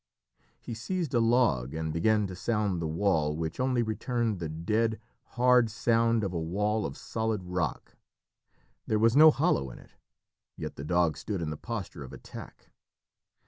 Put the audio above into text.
He seized a log and began to sound the wall, which only returned the dead, hard sound of a wall of solid rock. There was no hollow in it; yet the dog stood in the posture of attack.